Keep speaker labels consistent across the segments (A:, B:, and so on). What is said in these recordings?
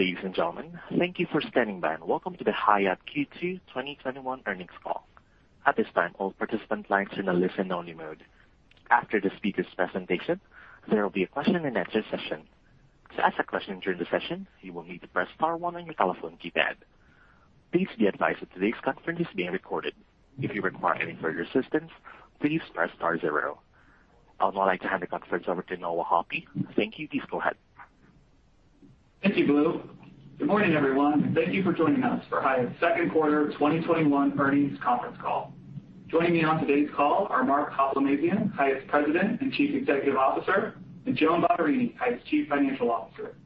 A: Ladies and gentlemen, thank you for standing by. Welcome to the Hyatt Q2 2021 earnings call. I would now like to hand the conference over to Noah Hoppe. Thank you. Please go ahead.
B: Thank you, Blue. Good morning, everyone, and thank you for joining us for Hyatt's second quarter 2021 earnings conference call. Joining me on today's call are Mark Hoplamazian, Hyatt's President and Chief Executive Officer, and Joan Bottarini, Hyatt's Chief Financial Officer.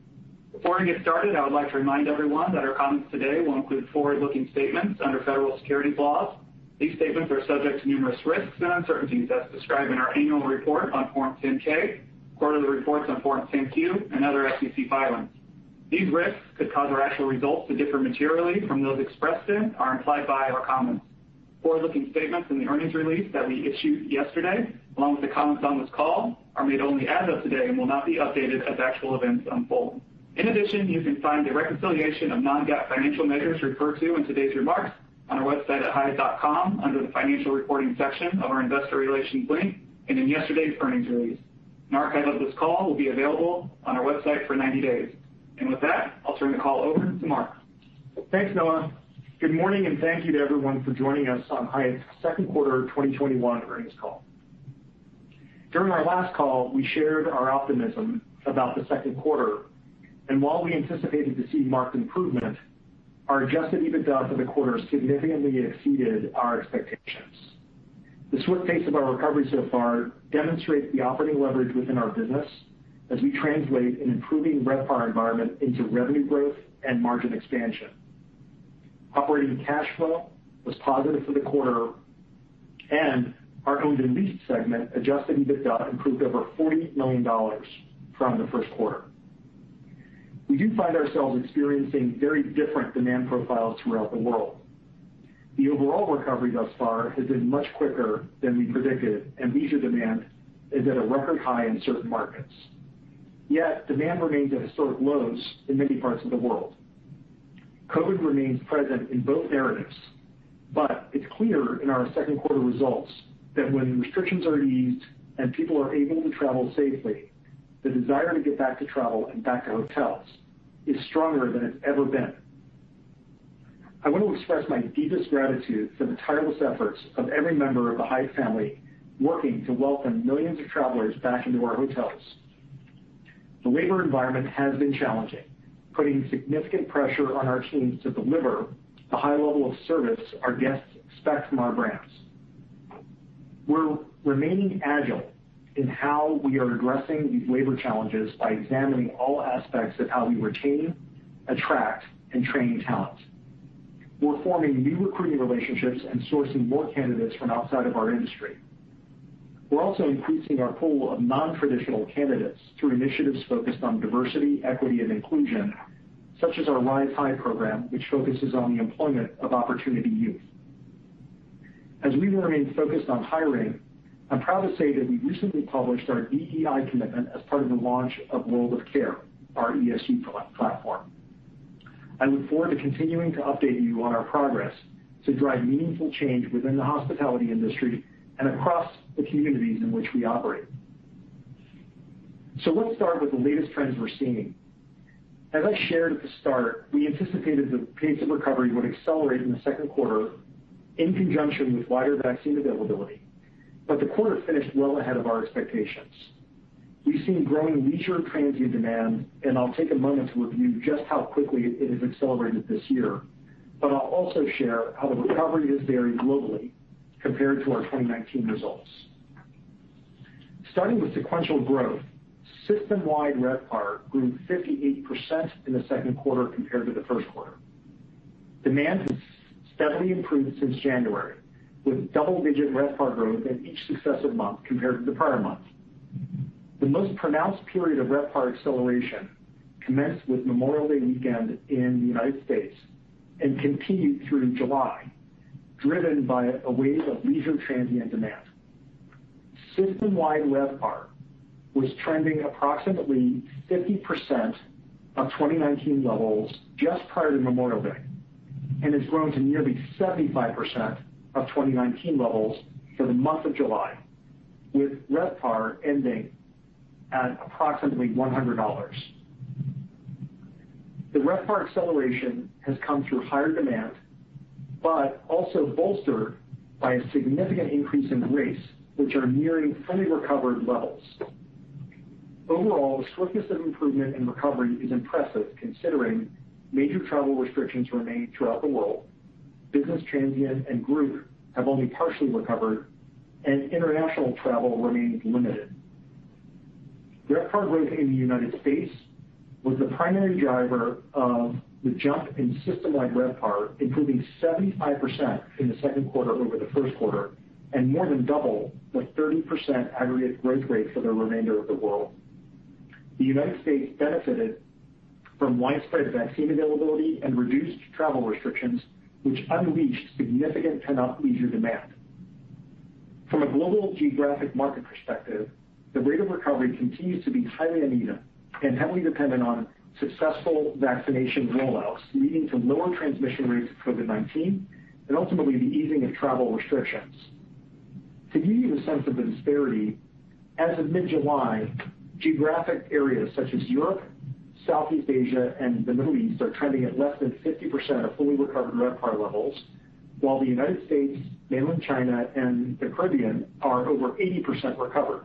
B: Before I get started, I would like to remind everyone that our comments today will include forward-looking statements under federal securities laws. These statements are subject to numerous risks and uncertainties as described in our annual report on Form 10-K, quarterly reports on Form 10-Q, and other SEC filings. These risks could cause our actual results to differ materially from those expressed in or implied by our comments. Forward-looking statements in the earnings release that we issued yesterday, along with the comments on this call, are made only as of today and will not be updated as actual events unfold. In addition, you can find a reconciliation of non-GAAP financial measures referred to in today's remarks on our website at hyatt.com under the Financial Reporting section of our Investor Relations link and in yesterday's earnings release. An archive of this call will be available on our website for 90 days. With that, I'll turn the call over to Mark.
C: Thanks, Noah. Good morning, and thank you to everyone for joining us on Hyatt's second quarter 2021 earnings call. During our last call, we shared our optimism about the second quarter. While we anticipated to see marked improvement, our Adjusted EBITDA for the quarter significantly exceeded our expectations. The swift pace of our recovery so far demonstrates the operating leverage within our business as we translate an improving RevPAR environment into revenue growth and margin expansion. Operating cash flow was positive for the quarter. Our owned and leased segment Adjusted EBITDA improved over $40 million from the first quarter. We do find ourselves experiencing very different demand profiles throughout the world. The overall recovery thus far has been much quicker than we predicted. Leisure demand is at a record high in certain markets. Demand remains at historic lows in many parts of the world. COVID remains present in both narratives, but it's clear in our second quarter results that when restrictions are eased and people are able to travel safely, the desire to get back to travel and back to hotels is stronger than it's ever been. I want to express my deepest gratitude for the tireless efforts of every member of the Hyatt family working to welcome millions of travelers back into our hotels. The labor environment has been challenging, putting significant pressure on our teams to deliver the high level of service our guests expect from our brands. We're remaining agile in how we are addressing these labor challenges by examining all aspects of how we retain, attract, and train talent. We're forming new recruiting relationships and sourcing more candidates from outside of our industry. We're also increasing our pool of non-traditional candidates through initiatives focused on diversity, equity, and inclusion, such as our RiseHY program, which focuses on the employment of opportunity youth. As we remain focused on hiring, I'm proud to say that we recently. I look forward to continuing to update you on our progress to drive meaningful change within the hospitality industry and across the communities in which we operate. Let's start with the latest trends we're seeing. As I shared at the start, we anticipated the pace of recovery would accelerate in the second quarter in conjunction with wider vaccine availability, but the quarter finished well ahead of our expectations. We've seen growing leisure transient demand, I'll take a moment to review just how quickly it has accelerated this year. I'll also share how the recovery has varied globally compared to our 2019 results. Starting with sequential growth, system-wide RevPAR grew 58% in the second quarter compared to the first quarter. Demand has steadily improved since January, with double-digit RevPAR growth in each successive month compared to the prior month. The most pronounced period of RevPAR acceleration commenced with Memorial Day weekend in the United States and continued through July, driven by a wave of leisure transient demand. System-wide RevPAR was trending approximately 50% of 2019 levels just prior to Memorial Day, and has grown to nearly 75% of 2019 levels for the month of July, with RevPAR ending at approximately $100. The RevPAR acceleration has come through higher demand, but also bolstered by a significant increase in rates, which are nearing fully recovered levels. Overall, the swiftness of improvement in recovery is impressive considering major travel restrictions remain throughout the world. Business transient and group have only partially recovered, and international travel remains limited. RevPAR growth in the United States was the primary driver of the jump in system-wide RevPAR, improving 75% in the second quarter over the first quarter, and more than double the 30% aggregate growth rate for the remainder of the world. The United States benefited from widespread vaccine availability and reduced travel restrictions, which unleashed significant pent-up leisure demand. From a global geographic market perspective, the rate of recovery continues to be highly uneven and heavily dependent on successful vaccination rollouts, leading to lower transmission rates of COVID-19 and ultimately the easing of travel restrictions. To give you a sense of the disparity, as of mid-July, geographic areas such as Europe, Southeast Asia, and the Middle East are trending at less than 50% of fully recovered RevPAR levels, while the United States, mainland China, and the Caribbean are over 80% recovered.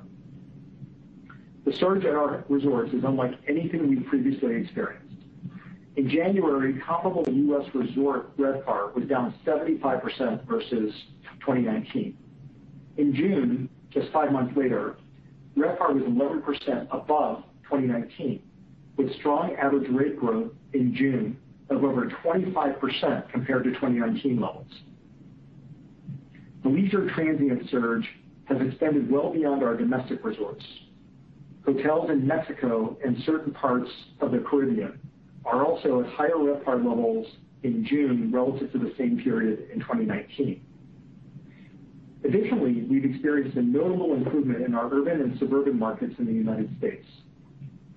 C: The surge at our resorts is unlike anything we've previously experienced. In January, comparable U.S. resort RevPAR was down 75% versus 2019. In June, just five months later, RevPAR was 11% above 2019, with strong average rate growth in June of over 25% compared to 2019 levels. The leisure transient surge has extended well beyond our domestic resorts. Hotels in Mexico and certain parts of the Caribbean are also at higher RevPAR levels in June relative to the same period in 2019. Additionally, we've experienced a notable improvement in our urban and suburban markets in the United States.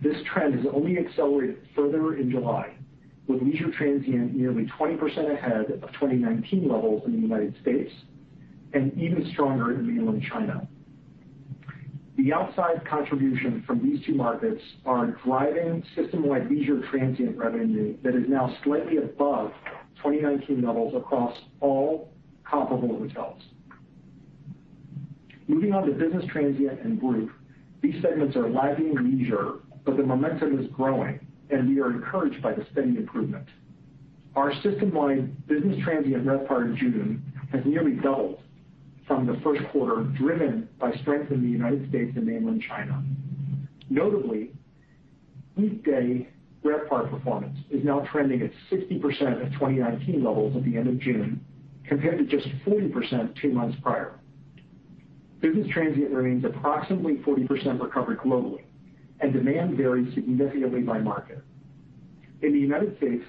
C: This trend has only accelerated further in July, with leisure transient nearly 20% ahead of 2019 levels in the U.S. and even stronger in mainland China. The outside contribution from these two markets are driving system-wide leisure transient revenue that is now slightly above 2019 levels across all comparable hotels. Moving on to business transient and group. These segments are lagging leisure, the momentum is growing, and we are encouraged by the steady improvement. Our system-wide business transient RevPAR in June has nearly doubled from the first quarter, driven by strength in the U.S. and mainland China. Notably, weekday RevPAR performance is now trending at 60% of 2019 levels at the end of June, compared to just 40% two months prior. Business transient remains approximately 40% recovered globally, demand varies significantly by market. In the United States,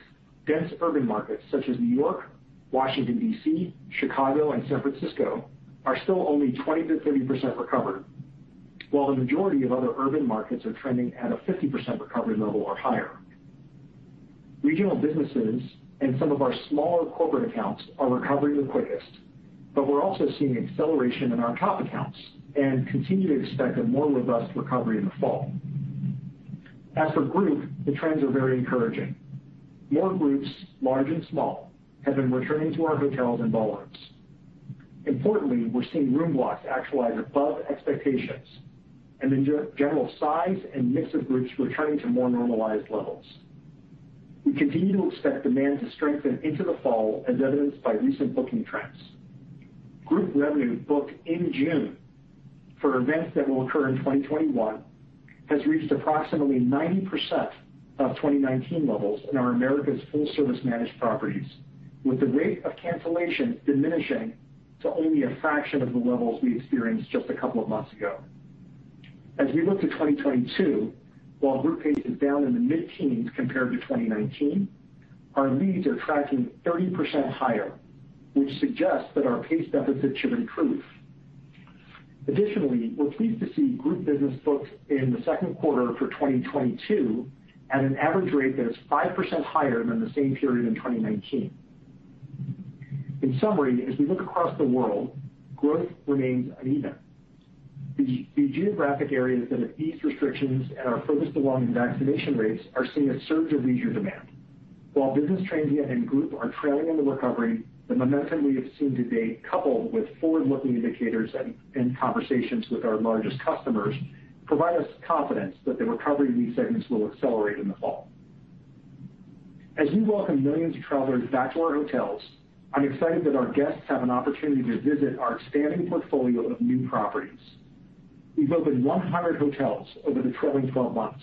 C: dense urban markets such as New York, Washington, D.C., Chicago, and San Francisco are still only 20%-30% recovered, while the majority of other urban markets are trending at a 50% recovery level or higher. Regional businesses and some of our smaller corporate accounts are recovering the quickest, but we're also seeing acceleration in our top accounts and continue to expect a more robust recovery in the fall. As for group, the trends are very encouraging. More groups, large and small, have been returning to our hotels and ballrooms. Importantly, we're seeing room blocks actualize above expectations, and the general size and mix of groups returning to more normalized levels. We continue to expect demand to strengthen into the fall, as evidenced by recent booking trends. Group revenue booked in June for events that will occur in 2021 has reached approximately 90% of 2019 levels in our Americas full-service managed properties, with the rate of cancellations diminishing to only a fraction of the levels we experienced just a couple of months ago. We look to 2022, while group pace is down in the mid-teens compared to 2019, our leads are tracking 30% higher, which suggests that our pace deficit should improve. We're pleased to see group business booked in the second quarter for 2022 at an average rate that is 5% higher than the same period in 2019. In summary, as we look across the world, growth remains uneven. The geographic areas that have eased restrictions and are furthest along in vaccination rates are seeing a surge of leisure demand. While business transient and group are trailing in the recovery, the momentum we have seen to date, coupled with forward-looking indicators and conversations with our largest customers, provide us confidence that the recovery in these segments will accelerate in the fall. As we welcome millions of travelers back to our hotels, I'm excited that our guests have an opportunity to visit our expanding portfolio of new properties. We've opened 100 hotels over the trailing 12 months,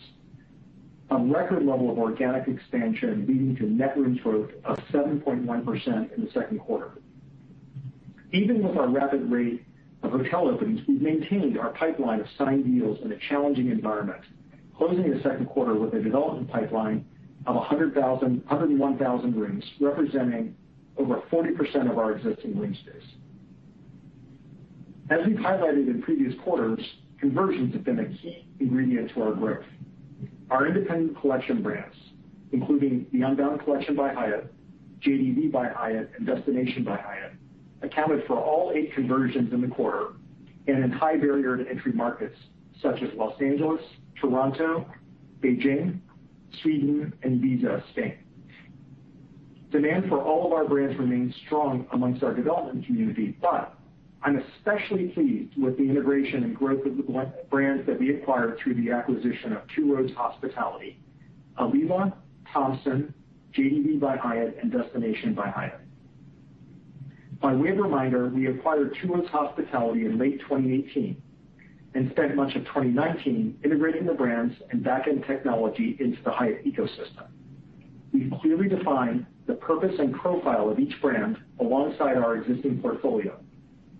C: a record level of organic expansion leading to net rooms growth of 7.1% in the second quarter. Even with our rapid rate of hotel openings, we've maintained our pipeline of signed deals in a challenging environment, closing the second quarter with a development pipeline of 101,000 rooms, representing over 40% of our existing room space. As we've highlighted in previous quarters, conversions have been a key ingredient to our growth. Our independent collection brands, including The Unbound Collection by Hyatt, JdV by Hyatt, and Destination by Hyatt, accounted for all eight conversions in the quarter and in high barrier to entry markets such as Los Angeles, Toronto, Beijing, Sweden, and Ibiza, Spain. Demand for all of our brands remains strong amongst our development community, but I'm especially pleased with the integration and growth of the brands that we acquired through the acquisition of Two Roads Hospitality: Alila, Thompson Hotels, JdV by Hyatt, and Destination by Hyatt. By way of reminder, we acquired Two Roads Hospitality in late 2018 and spent much of 2019 integrating the brands and back-end technology into the Hyatt ecosystem. We've clearly defined the purpose and profile of each brand alongside our existing portfolio.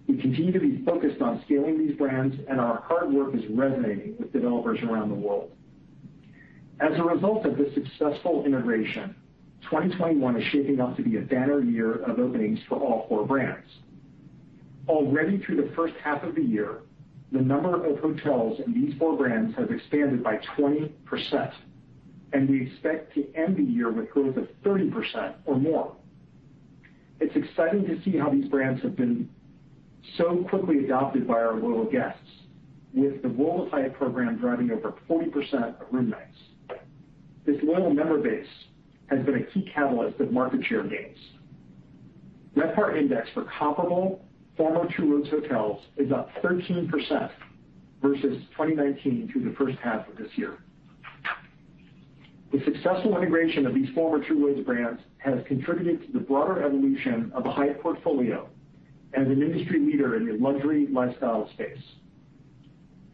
C: We continue to be focused on scaling these brands, and our hard work is resonating with developers around the world. As a result of the successful integration, 2021 is shaping up to be a banner year of openings for all four brands. Already through the first half of the year, the number of hotels in these four brands has expanded by 20%, and we expect to end the year with growth of 30% or more. It's exciting to see how these brands have been so quickly adopted by our loyal guests, with the World of Hyatt program driving over 40% of room nights. This loyal member base has been a key catalyst of market share gains. RevPAR index for comparable former Two Roads hotels is up 13% versus 2019 through the first half of this year. The successful integration of these former Two Roads brands has contributed to the broader evolution of the Hyatt portfolio as an industry leader in the luxury lifestyle space.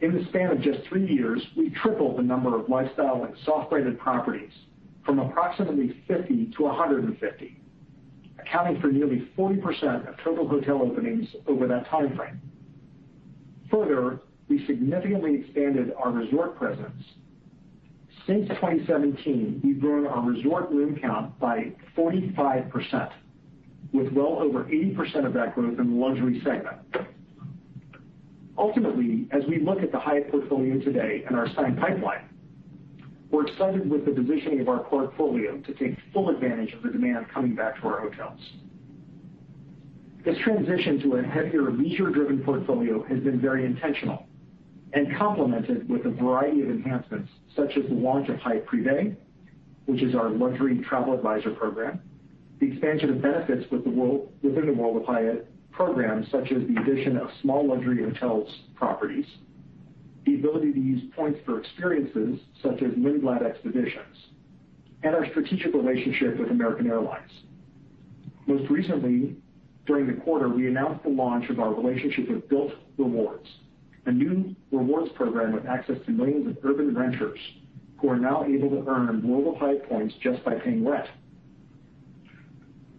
C: In the span of just three years, we tripled the number of lifestyle and soft-branded properties from approximately 50-150, accounting for nearly 40% of total hotel openings over that timeframe. Further, we significantly expanded our resort presence. Since 2017, we've grown our resort room count by 45%, with well over 80% of that growth in the luxury segment. Ultimately, as we look at the Hyatt portfolio today and our signed pipeline, we're excited with the positioning of our portfolio to take full advantage of the demand coming back to our hotels. This transition to a heavier leisure-driven portfolio has been very intentional and complemented with a variety of enhancements, such as the launch of Hyatt Privé, which is our luxury travel advisor program, the expansion of benefits within the World of Hyatt program, such as the addition of Small Luxury Hotels properties, the ability to use points for experiences such as Lindblad Expeditions, and our strategic relationship with American Airlines. Most recently, during the quarter, we announced the launch of our relationship with Bilt Rewards, a new rewards program with access to millions of urban renters who are now able to earn World of Hyatt points just by paying rent.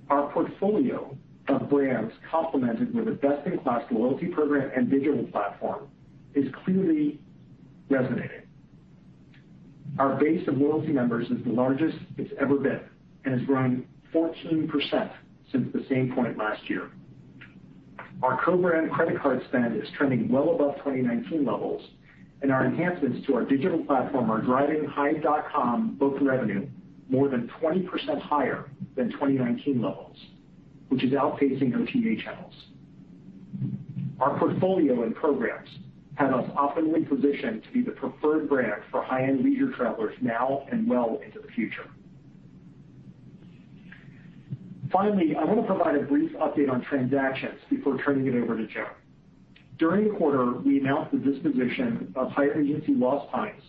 C: Our portfolio of brands, complemented with a best-in-class loyalty program and digital platform, is clearly resonating. Our base of loyalty members is the largest it's ever been and has grown 14% since the same point last year. Our co-brand credit card spend is trending well above 2019 levels, and our enhancements to our digital platform are driving hyatt.com book revenue more than 20% higher than 2019 levels, which is outpacing OTA channels. Our portfolio and programs have us optimally positioned to be the preferred brand for high-end leisure travelers now and well into the future. Finally, I want to provide a brief update on transactions before turning it over to Joan. During the quarter, we announced the disposition of Hyatt Regency Lost Pines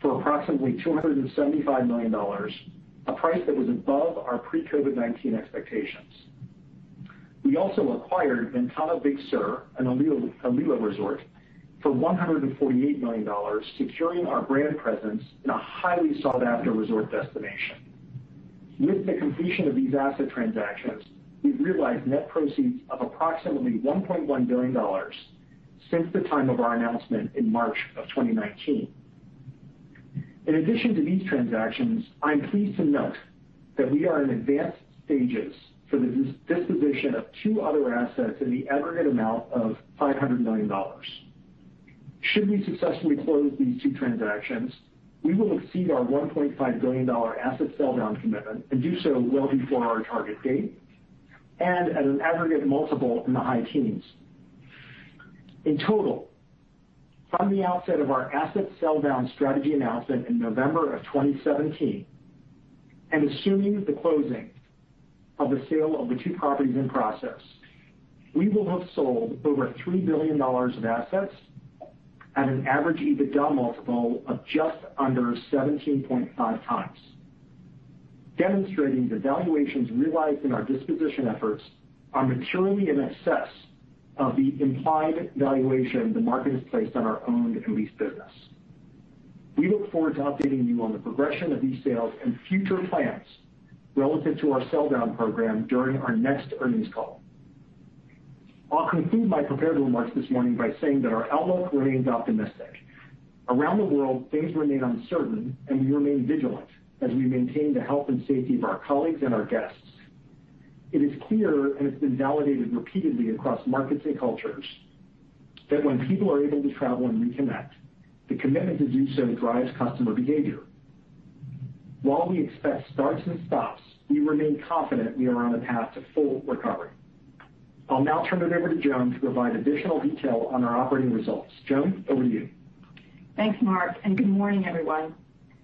C: for approximately $275 million, a price that was above our pre-COVID-19 expectations. We also acquired Ventana Big Sur, an Alila resort, for $148 million, securing our brand presence in a highly sought-after resort destination. With the completion of these asset transactions, we've realized net proceeds of approximately $1.1 billion since the time of our announcement in March of 2019. In addition to these transactions, I'm pleased to note that we are in advanced stages for the disposition of two other assets in the aggregate amount of $500 million. Should we successfully close these two transactions, we will exceed our $1.5 billion asset sell-down commitment and do so well before our target date and at an aggregate multiple in the high teens. In total, from the outset of our asset sell-down strategy announcement in November of 2017, and assuming the closing of the sale of the two properties in process, we will have sold over $3 billion of assets at an average EBITDA multiple of just under 17.5x, demonstrating the valuations realized in our disposition efforts are materially in excess of the implied valuation the market has placed on our owned and leased business. We look forward to updating you on the progression of these sales and future plans relative to our sell-down program during our next earnings call. I'll conclude my prepared remarks this morning by saying that our outlook remains optimistic. Around the world, things remain uncertain, and we remain vigilant as we maintain the health and safety of our colleagues and our guests. It is clear, and it's been validated repeatedly across markets and cultures, that when people are able to travel and reconnect, the commitment to do so drives customer behavior. While we expect starts and stops, we remain confident we are on a path to full recovery. I'll now turn it over to Joan to provide additional detail on our operating results. Joan, over to you.
D: Thanks, Mark, and good morning, everyone.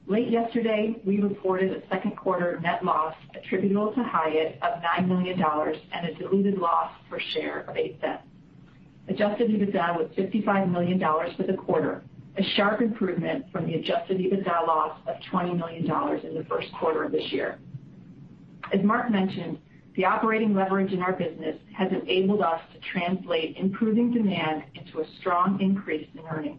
D: Late yesterday, we reported a second quarter net loss attributable to Hyatt of $9 million and a diluted loss per share of $0.08. Adjusted EBITDA was $55 million for the quarter, a sharp improvement from the Adjusted EBITDA loss of $20 million in the first quarter of this year. As Mark mentioned, the operating leverage in our business has enabled us to translate improving demand into a strong increase in earnings.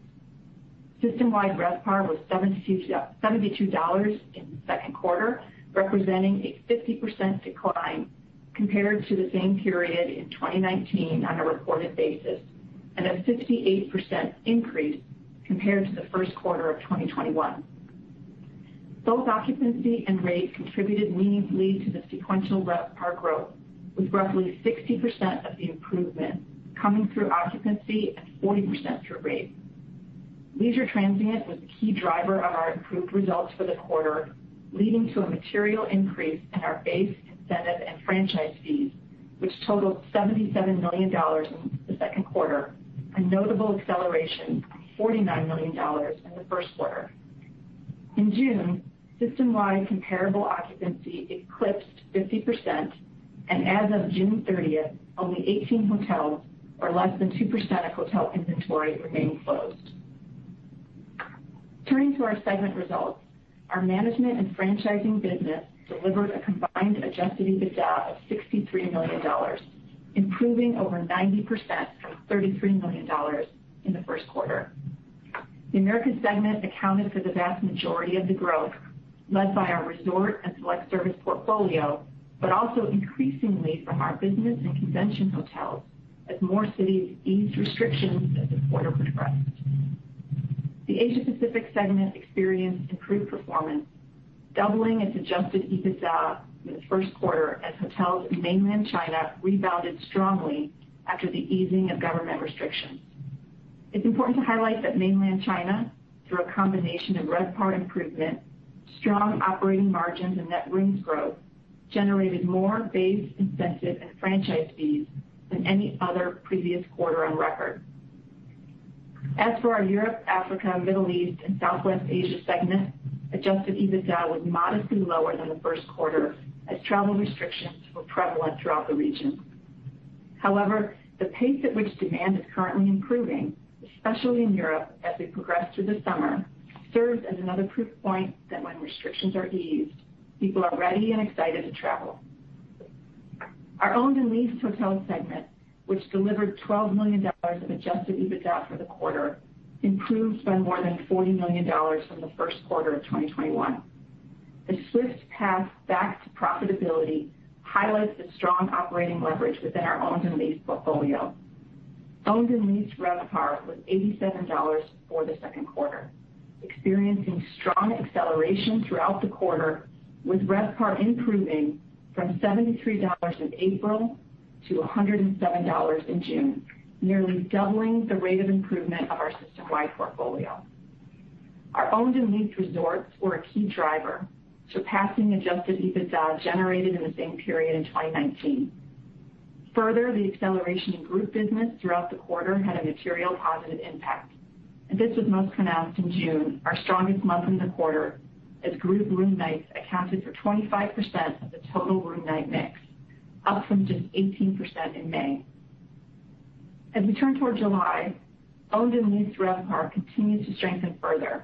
D: System-wide RevPAR was $72 in the second quarter, representing a 50% decline compared to the same period in 2019 on a reported basis. A 58% increase compared to the first quarter of 2021. Both occupancy and rate contributed meaningfully to the sequential RevPAR growth, with roughly 60% of the improvement coming through occupancy and 40% through rate. Leisure transient was the key driver of our improved results for the quarter, leading to a material increase in our base incentive and franchise fees, which totaled $77 million in the second quarter, a notable acceleration from $49 million in the first quarter. In June, system-wide comparable occupancy eclipsed 50%, and as of June 30th, only 18 hotels or less than 2% of hotel inventory remained closed. Turning to our segment results, our management and franchising business delivered a combined Adjusted EBITDA of $63 million, improving over 90% from $33 million in the first quarter. The Americas segment accounted for the vast majority of the growth led by our resort and select service portfolio, but also increasingly from our business and convention hotels as more cities eased restrictions as the quarter progressed. The Asia Pacific segment experienced improved performance, doubling its Adjusted EBITDA in the first quarter as hotels in mainland China rebounded strongly after the easing of government restrictions. It's important to highlight that mainland China, through a combination of RevPAR improvement, strong operating margins, and net rooms growth, generated more base incentive and franchise fees than any other previous quarter on record. Our Europe, Africa, Middle East and Southwest Asia segment, Adjusted EBITDA was modestly lower than the first quarter as travel restrictions were prevalent throughout the region. However, the pace at which demand is currently improving, especially in Europe as we progress through the summer, serves as another proof point that when restrictions are eased, people are ready and excited to travel. Our owned and leased hotel segment, which delivered $12 million of Adjusted EBITDA for the quarter, improved by more than $40 million from the first quarter of 2021. The swift path back to profitability highlights the strong operating leverage within our owned and leased portfolio. Owned and leased RevPAR was $87 for the second quarter, experiencing strong acceleration throughout the quarter with RevPAR improving from $73 in April to $107 in June, nearly doubling the rate of improvement of our system-wide portfolio. Our owned and leased resorts were a key driver, surpassing Adjusted EBITDA generated in the same period in 2019. The acceleration in group business throughout the quarter had a material positive impact, and this was most pronounced in June, our strongest month in the quarter, as group room nights accounted for 25% of the total room night mix, up from just 18% in May. As we turn toward July, owned and leased RevPAR continues to strengthen further.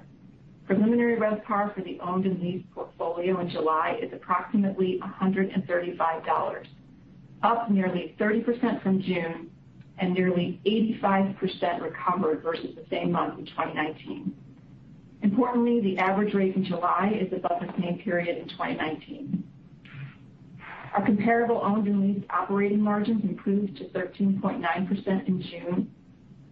D: Preliminary RevPAR for the owned and leased portfolio in July is approximately $135, up nearly 30% from June and nearly 85% recovered versus the same month in 2019. Importantly, the average rate in July is above the same period in 2019. Our comparable owned and leased operating margins improved to 13.9% in June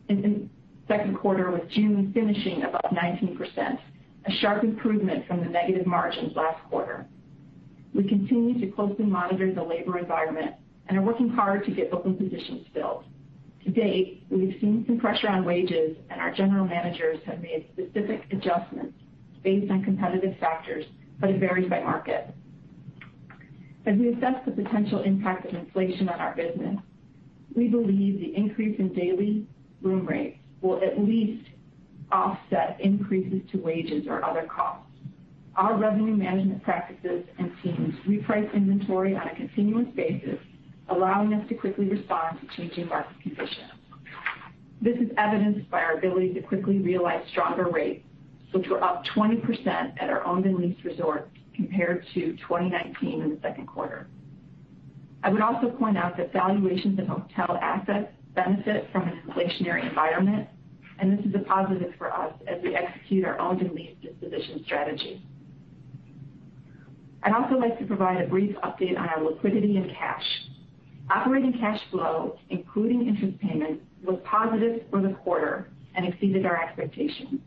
D: the second quarter, with June finishing above 19%, a sharp improvement from the negative margins last quarter. We continue to closely monitor the labor environment and are working hard to get open positions filled. To date, we've seen some pressure on wages, and our general managers have made specific adjustments based on competitive factors, but it varies by market. As we assess the potential impact of inflation on our business, we believe the increase in daily room rates will at least offset increases to wages or other costs. Our revenue management practices and teams reprice inventory on a continuous basis, allowing us to quickly respond to changing market conditions. This is evidenced by our ability to quickly realize stronger rates, which were up 20% at our owned and leased resorts compared to 2019 in the second quarter. I would also point out that valuations in hotel assets benefit from an inflationary environment, and this is a positive for us as we execute our owned and leased disposition strategy. I'd also like to provide a brief update on our liquidity and cash. Operating cash flow, including interest payments, was positive for the quarter and exceeded our expectations.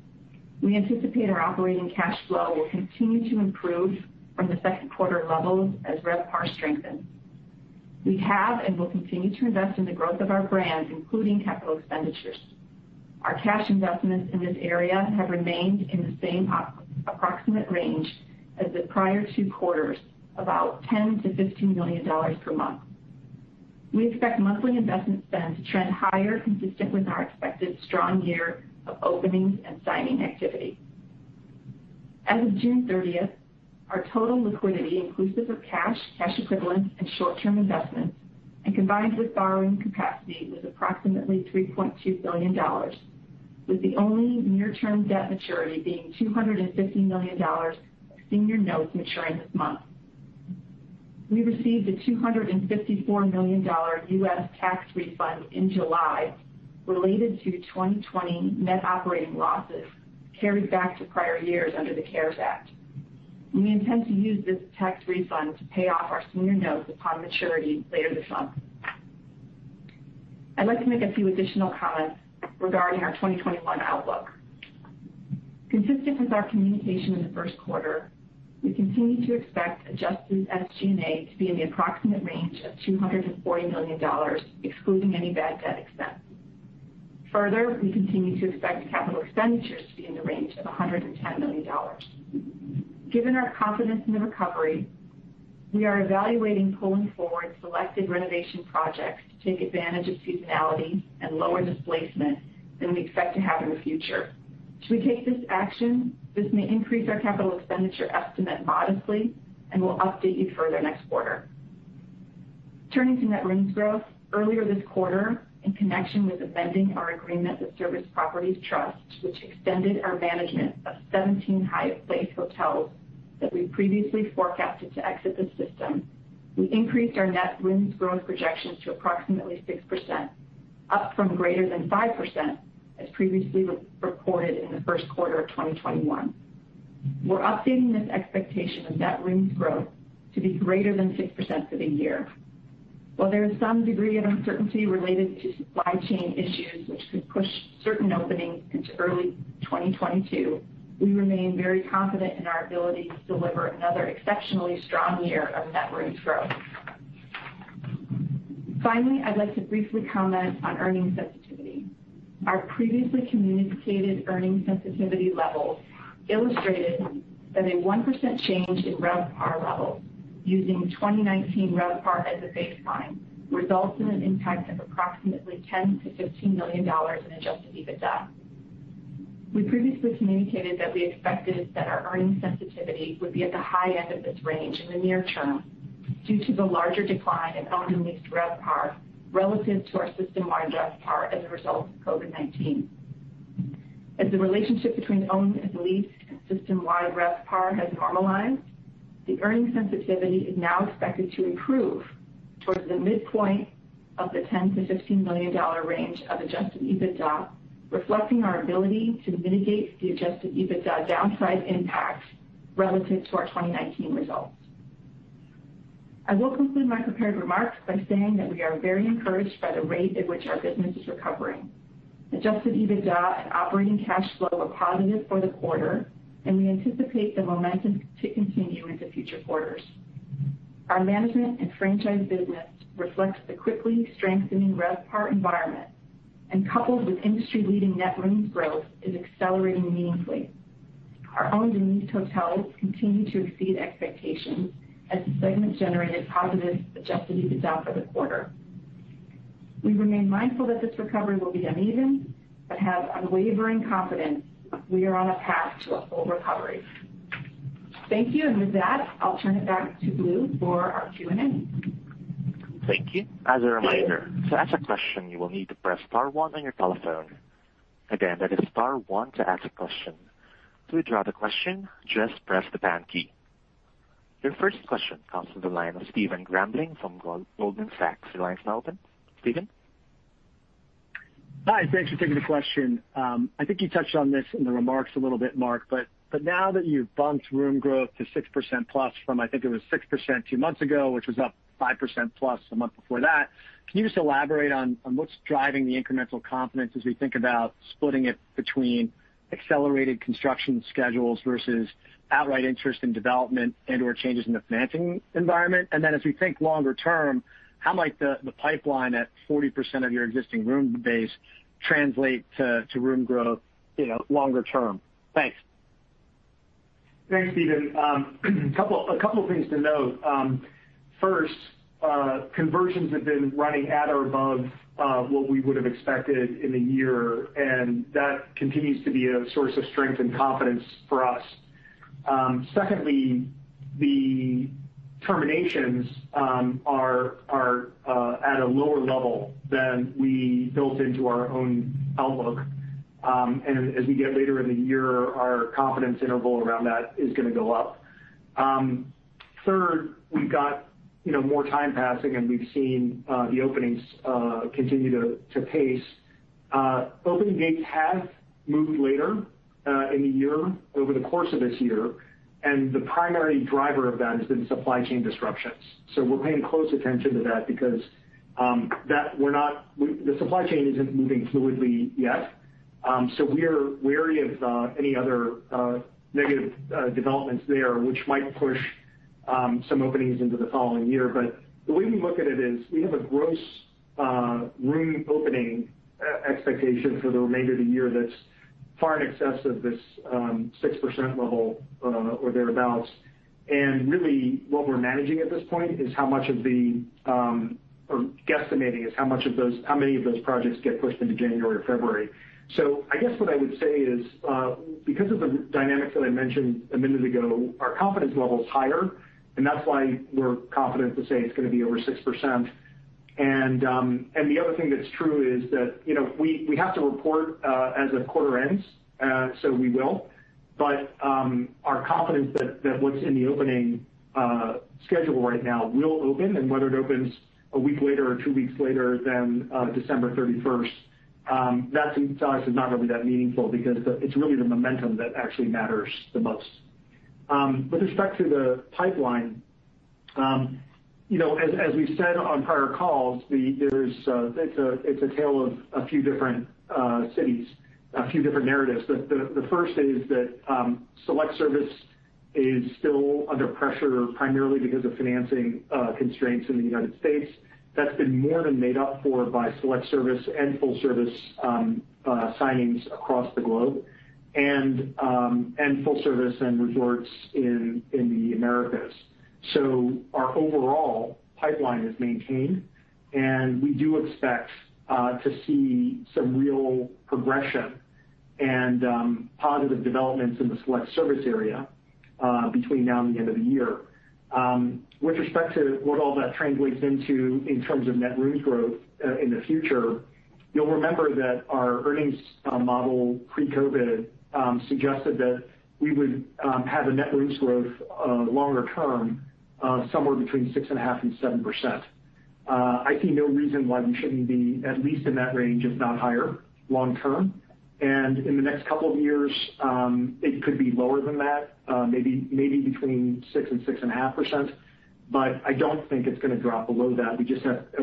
D: We anticipate our operating cash flow will continue to improve from the second quarter levels as RevPAR strengthens. We have and will continue to invest in the growth of our brands, including capital expenditures. Our cash investments in this area have remained in the same approximate range as the prior two quarters, about $10 million-$15 million per month. We expect monthly investment spend to trend higher consistent with our expected strong year of openings and signing activity. As of June 30th, our total liquidity inclusive of cash equivalents, and short-term investments, and combined with borrowing capacity, was approximately $3.2 billion, with the only near-term debt maturity being $250 million of senior notes maturing this month. We received a $254 million U.S. tax refund in July related to 2020 net operating losses carried back to prior years under the CARES Act. We intend to use this tax refund to pay off our senior notes upon maturity later this month. I'd like to make a few additional comments regarding our 2021 outlook. Consistent with our communication in the first quarter, we continue to expect adjusted SG&A to be in the approximate range of $240 million, excluding any bad debt expense. Further, we continue to expect capital expenditures to be in the range of $110 million. Given our confidence in the recovery, we are evaluating pulling forward selected renovation projects to take advantage of seasonality and lower displacement than we expect to have in the future. Should we take this action, this may increase our capital expenditure estimate modestly, and we'll update you further next quarter. Turning to net rooms growth, earlier this quarter, in connection with amending our agreement with Service Properties Trust, which extended our management of 17 Hyatt Place hotels that we previously forecasted to exit the system, we increased our net rooms growth projections to approximately 6%, up from greater than 5% as previously reported in the first quarter of 2021. We're updating this expectation of net rooms growth to be greater than 6% for the year. While there is some degree of uncertainty related to supply chain issues which could push certain openings into early 2022, we remain very confident in our ability to deliver another exceptionally strong year of net rooms growth. Finally, I'd like to briefly comment on earnings sensitivity. Our previously communicated earnings sensitivity levels illustrated that a 1% change in RevPAR levels, using 2019 RevPAR as a baseline, results in an impact of approximately $10 million-$15 million in adjusted EBITDA. We previously communicated that we expected that our earnings sensitivity would be at the high end of this range in the near term due to the larger decline in owned and leased RevPAR relative to our system-wide RevPAR as a result of COVID-19. As the relationship between owned and leased and system-wide RevPAR has normalized, the earnings sensitivity is now expected to improve towards the midpoint of the $10 million-$15 million range of adjusted EBITDA, reflecting our ability to mitigate the adjusted EBITDA downside impact relative to our 2019 results. I will conclude my prepared remarks by saying that we are very encouraged by the rate at which our business is recovering. Adjusted EBITDA and operating cash flow are positive for the quarter, and we anticipate the momentum to continue into future quarters. Our management and franchise business reflects the quickly strengthening RevPAR environment, and coupled with industry-leading net rooms growth, is accelerating meaningfully. Our owned and leased hotels continue to exceed expectations as the segment generated positive adjusted EBITDA for the quarter. We remain mindful that this recovery will be uneven, but have unwavering confidence that we are on a path to a full recovery. Thank you. With that, I'll turn it back to Blue for our Q&A.
A: Thank you. Your first question comes from the line of Stephen Grambling from Goldman Sachs your line is open. Stephen?
E: Hi. Thanks for taking the question. I think you touched on this in the remarks a little bit, Mark, but now that you've bumped room growth to 6%+ from, I think it was 6% two months ago, which was up 5%+ the month before that, can you just elaborate on what's driving the incremental confidence as we think about splitting it between accelerated construction schedules versus outright interest in development and/or changes in the financing environment? as we think longer term, how might the pipeline at 40% of your existing room base translate to room growth longer term? Thanks.
C: Thanks, Stephen. A couple of things to note. First, conversions have been running at or above what we would have expected in a year, and that continues to be a source of strength and confidence for us. Secondly, the terminations are at a lower level than we built into our own outlook, and as we get later in the year, our confidence interval around that is going to go up. Third, we've got more time passing, and we've seen the openings continue to pace. Opening dates have moved later in the year over the course of this year, and the primary driver of that has been supply chain disruptions. We're paying close attention to that because the supply chain isn't moving fluidly yet. We're wary of any other negative developments there which might push some openings into the following year.
D: The way we look at it is we have a gross room opening expectation for the remainder of the year that's far in excess of this 6% level or thereabouts. Really what we're managing at this point is guesstimating is how many of those projects get pushed into January or February. I guess what I would say is, because of the dynamics that I mentioned a minute ago, our confidence level is higher, and that's why we're confident to say it's going to be over 6%. The other thing that's true is that we have to report as a quarter ends, so we will. Our confidence that what's in the opening schedule right now will open and whether it opens a week later or two weeks later than December 31st
C: That's obviously not going to be that meaningful because it's really the momentum that actually matters the most. With respect to the pipeline, as we've said on prior calls, it's a tale of a few different cities, a few different narratives. The first is that select service is still under pressure, primarily because of financing constraints in the United States. That's been more than made up for by select service and full service signings across the globe, and full service and resorts in the Americas. our overall pipeline is maintained, and we do expect to see some real progression and positive developments in the select service area between now and the end of the year. With respect to what all that translates into in terms of net rooms growth in the future, you'll remember that our earnings model pre-COVID suggested that we would have a net rooms growth, longer term, somewhere between 6.5% and 7%. I see no reason why we shouldn't be at least in that range, if not higher, long term. In the next couple of years, it could be lower than that. Maybe between 6% and 6.5%, but I don't think it's going to drop below that.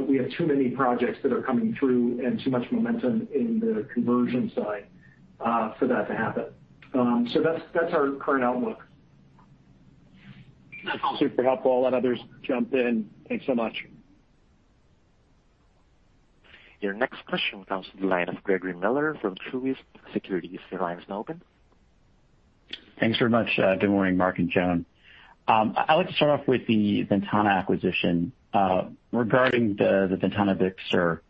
C: We have too many projects that are coming through and too much momentum in the conversion side for that to happen. That's our current outlook.
E: That's super helpful. I'll let others jump in. Thanks so much.
A: Your next question comes from the line of Gregory Miller from Truist Securities. Your line is now open.
F: Thanks very much. Good morning, Mark and Joan. I'd like to start off with the Ventana acquisition. Regarding the Ventana Big Sur,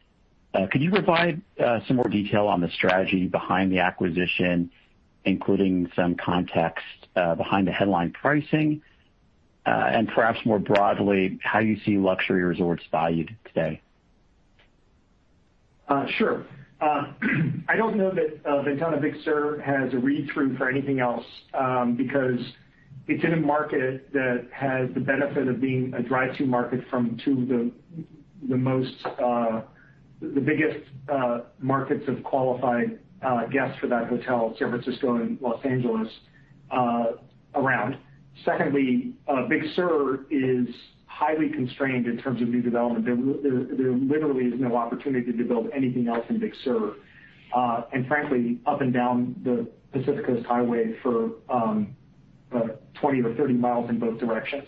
F: could you provide some more detail on the strategy behind the acquisition, including some context behind the headline pricing? perhaps more broadly, how you see luxury resorts valued today?
C: Sure. I don't know that Ventana Big Sur has a read-through for anything else, because it's in a market that has the benefit of being a drive-to market from two of the biggest markets of qualified guests for that hotel, San Francisco and Los Angeles, around. Secondly, Big Sur is highly constrained in terms of new development. There literally is no opportunity to build anything else in Big Sur, and frankly, up and down the Pacific Coast Highway for 20 mi or 30 mi in both directions.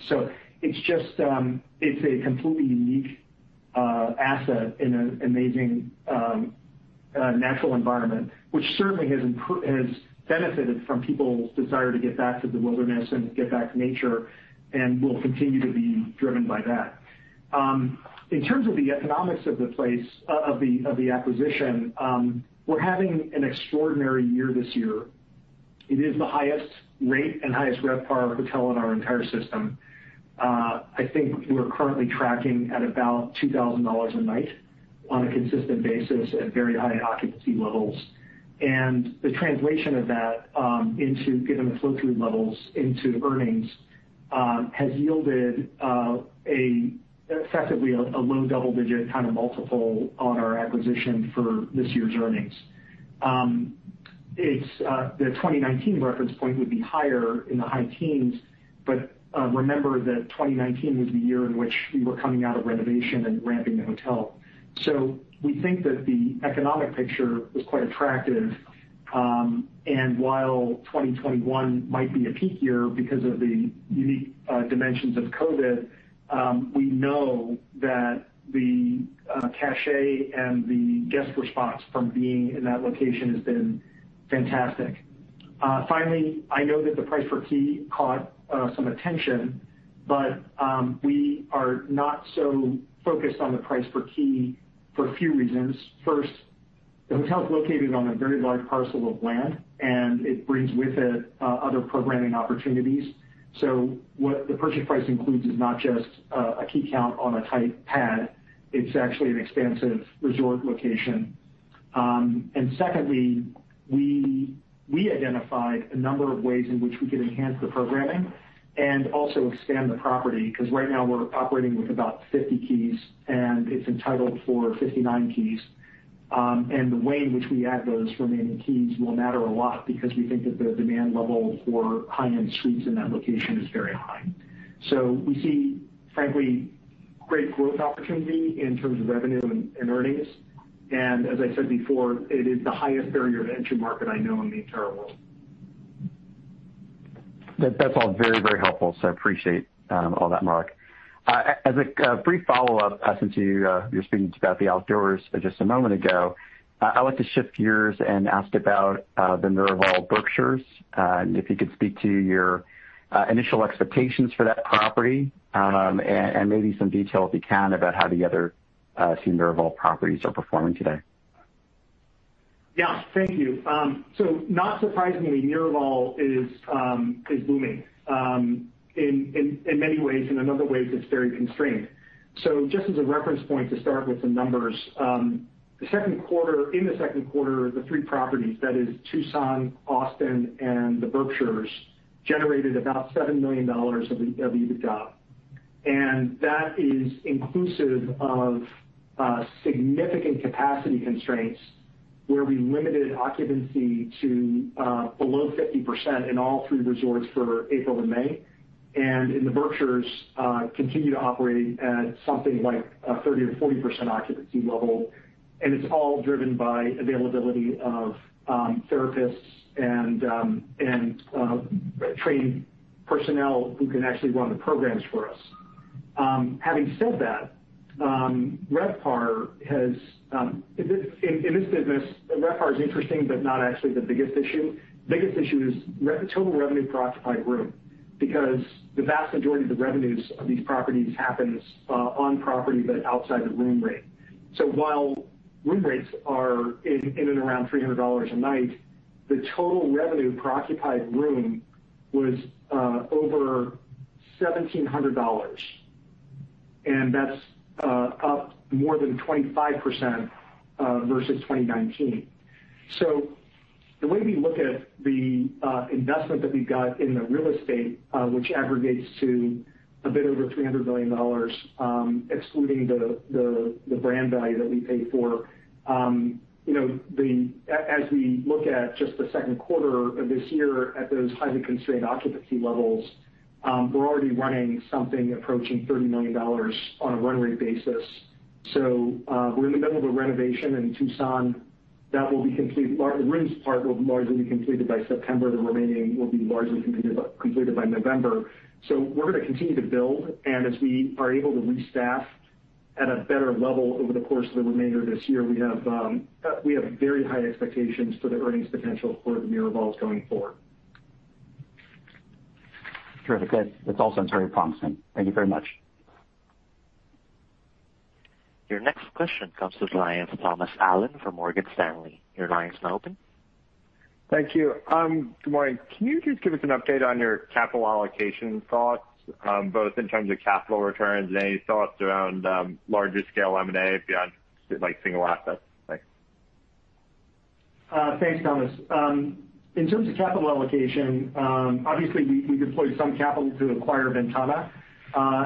C: It's a completely unique asset in an amazing natural environment, which certainly has benefited from people's desire to get back to the wilderness and get back to nature and will continue to be driven by that. In terms of the economics of the acquisition, we're having an extraordinary year this year. It is the highest rate and highest RevPAR hotel in our entire system. I think we're currently tracking at about $2,000 a night on a consistent basis at very high occupancy levels. The translation of that into given the flow through levels into earnings, has yielded effectively a low double-digit kind of multiple on our acquisition for this year's earnings. The 2019 reference point would be higher in the high teens, but remember that 2019 was the year in which we were coming out of renovation and ramping the hotel. We think that the economic picture was quite attractive, and while 2021 might be a peak year because of the unique dimensions of COVID, we know that the cachet and the guest response from being in that location has been fantastic. Finally, I know that the price per key caught some attention, but we are not so focused on the price per key for a few reasons. First, the hotel's located on a very large parcel of land, and it brings with it other programming opportunities. What the purchase price includes is not just a key count on a tight pad. It's actually an expansive resort location. Secondly, we identified a number of ways in which we could enhance the programming and also expand the property, because right now we're operating with about 50 keys, and it's entitled for 59 keys. The way in which we add those remaining keys will matter a lot because we think that the demand level for high-end suites in that location is very high. We see, frankly, great growth opportunity in terms of revenue and earnings. As I said before, it is the highest barrier to entry market I know in the entire world.
F: That's all very helpful. I appreciate all that, Mark. As a brief follow-up, since you were speaking about the outdoors just a moment ago, I'd like to shift gears and ask about the Miraval Berkshires, and if you could speak to your initial expectations for that property, and maybe some detail, if you can, about how the other two Miraval properties are performing today.
C: Yeah. Thank you. Not surprisingly, Miraval is booming in many ways, and in other ways it's very constrained. Just as a reference point to start with the numbers, in the second quarter, the three properties, that is Tucson, Austin, and the Berkshires, generated about $7 million of EBITDA. That is inclusive of significant capacity constraints, where we limited occupancy to below 50% in all three resorts for April and May. In the Berkshires, continue to operate at something like 30% or 40% occupancy level. It is all driven by availability of therapists and trained personnel who can actually run the programs for us. Having said that, in this business, RevPAR is interesting, but not actually the biggest issue. Biggest issue is total revenue per occupied room, because the vast majority of the revenues of these properties happens on property, but outside the room rate. While room rates are in and around $300 a night, the total revenue per occupied room was over $1,700. that's up more than 25% versus 2019. the way we look at the investment that we've got in the real estate, which aggregates to a bit over $300 million, excluding the brand value that we pay for. As we look at just the second quarter of this year at those highly constrained occupancy levels, we're already running something approaching $30 million on a run rate basis. we're in the middle of a renovation in Tucson. The rooms part will be largely completed by September. The remaining will be largely completed by November. We're going to continue to build, and as we are able to restaff at a better level over the course of the remainder of this year, we have very high expectations for the earnings potential for the Miravals going forward.
F: Terrific. That's also very promising. Thank you very much.
A: Your next question comes to the line of Thomas Allen from Morgan Stanley. Your line is now open.
G: Thank you. Good morning. Can you just give us an update on your capital allocation thoughts, both in terms of capital returns and any thoughts around larger scale M&A beyond, like single assets? Thanks.
C: Thanks, Thomas. In terms of capital allocation, obviously we deployed some capital to acquire Ventana.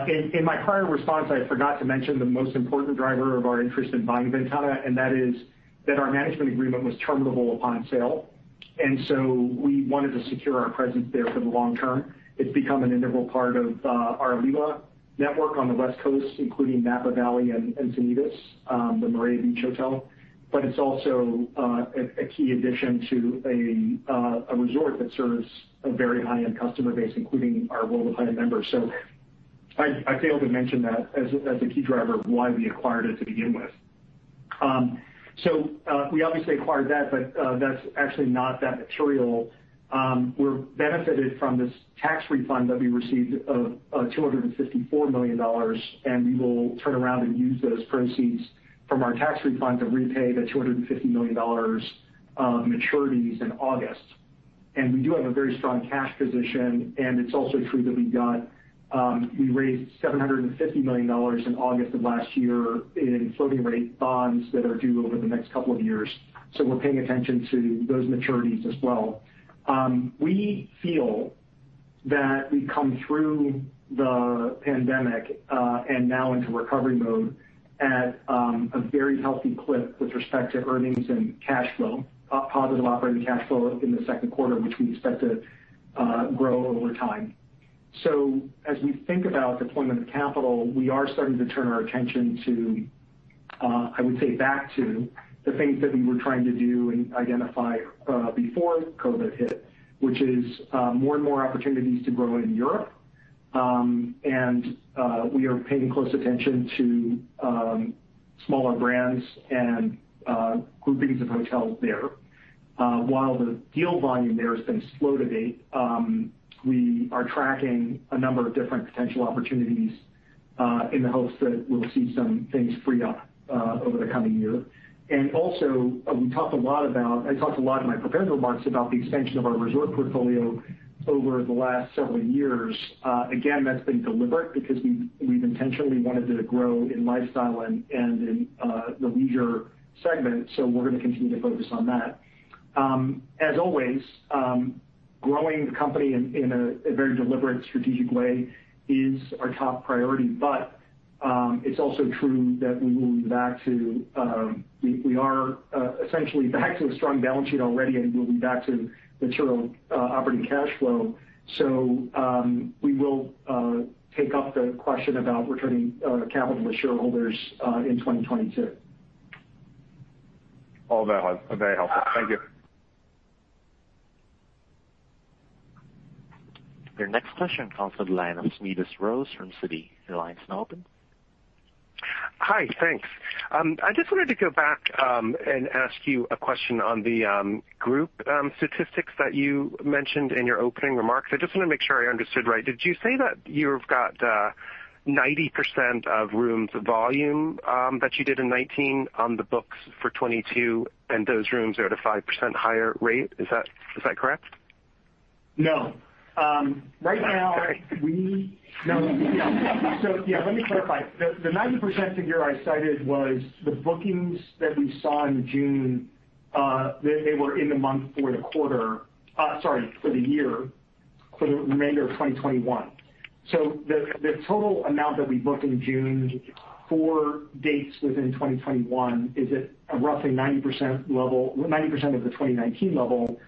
C: In my prior response, I forgot to mention the most important driver of our interest in buying Ventana, and that is that our management agreement was terminable upon sale. We wanted to secure our presence there for the long term. It's become an integral part of our Alila network on the West Coast, including Napa Valley and Encinitas] the Miramar Beach Hotel. It's also a key addition to a resort that serves a very high-end customer base, including our World of Hyatt members. We obviously acquired that, but that's actually not that material. We're benefited from this tax refund that we received of $254 million, and we will turn around and use those proceeds from our tax refund to repay the $250 million maturities in August. We do have a very strong cash position, and it's also true that we raised $750 million in August of last year in floating rate bonds that are due over the next couple of years. We're paying attention to those maturities as well. We feel that we've come through the pandemic, and now into recovery mode at a very healthy clip with respect to earnings and cash flow, positive operating cash flow in the second quarter, which we expect to grow over time. As we think about deployment of capital, we are starting to turn our attention to, I would say, back to the things that we were trying to do and identify before COVID hit, which is more and more opportunities to grow in Europe. We are paying close attention to smaller brands and groupings of hotels there. While the deal volume there has been slow to date, we are tracking a number of different potential opportunities in the hopes that we'll see some things free up over the coming year. Also, I talked a lot in my prepared remarks about the expansion of our resort portfolio over the last several years. Again, that's been deliberate because we've intentionally wanted to grow in lifestyle and in the leisure segment. We're going to continue to focus on that. As always growing the company in a very deliberate, strategic way is our top priority. it's also true that we are essentially back to a strong balance sheet already, and moving back to material operating cash flow. we will take up the question about returning capital to shareholders in 2022.
G: All that was very helpful. Thank you.
A: Your next question comes to the line of Smedes Rose from Citi. Your line is now open.
H: Hi, thanks. I just wanted to go back and ask you a question on the group statistics that you mentioned in your opening remarks. I just want to make sure I understood right. Did you say that you've got 90% of rooms volume that you did in 2019 on the books for 2022, and those rooms are at a 5% higher rate? Is that correct?
C: No. Right now, We. [inaudible] Yeah, let me clarify. The 90% figure I cited was the bookings that we saw in June. They were in the month for the quarter, sorry, for the year, for the remainder of 2021. The total amount that we booked in June for dates within 2021 is at roughly 90% of the 2019 level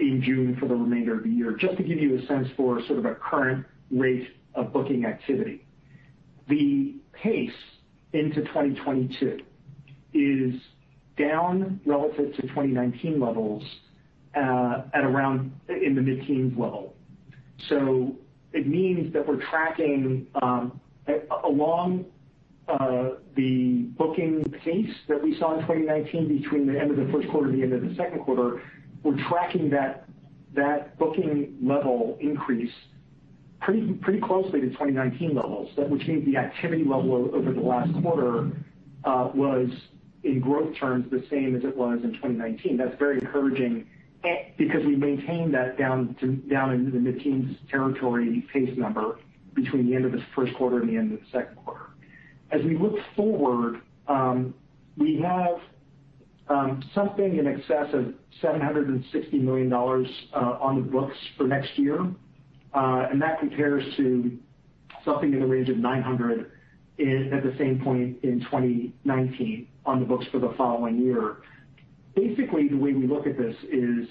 C: in June for the remainder of the year, just to give you a sense for sort of a current rate of booking activity. The pace into 2022 is down relative to 2019 levels at around in the mid-teens level. It means that we're tracking along the booking pace that we saw in 2019 between the end of the first quarter and the end of the second quarter. We're tracking that booking level increase pretty closely to 2019 levels, which means the activity level over the last quarter was, in growth terms, the same as it was in 2019. That's very encouraging because we maintained that down into the mid-teens territory pace number between the end of the first quarter and the end of the second quarter. As we look forward, we have something in excess of $760 million on the books for next year. That compares to something in the range of 900 at the same point in 2019 on the books for the following year. Basically, the way we look at this is,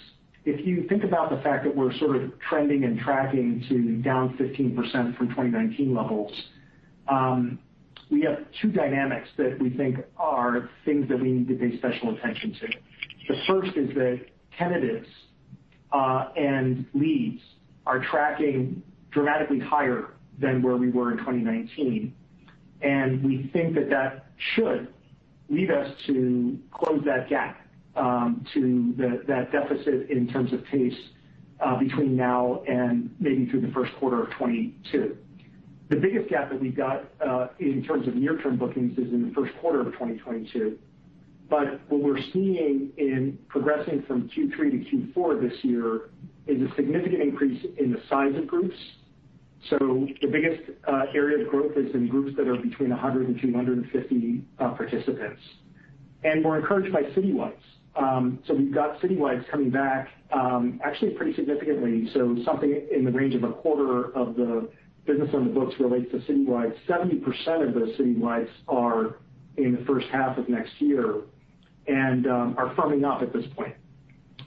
C: if you think about the fact that we're sort of trending and tracking to down 15% from 2019 levels, we have two dynamics that we think are things that we need to pay special attention to. The first is that tentatives and leads are tracking dramatically higher than where we were in 2019, and we think that that should lead us to close that gap to that deficit in terms of pace between now and maybe through the first quarter of 2022. The biggest gap that we've got in terms of near-term bookings is in the first quarter of 2022. What we're seeing in progressing from Q3 to Q4 this year is a significant increase in the size of groups. The biggest area of growth is in groups that are between 100 and 250 participants. We're encouraged by citywides. We've got citywides coming back actually pretty significantly. Something in the range of a quarter of the business on the books relates to citywide. 70% of those citywides are in the first half of next year and are firming up at this point.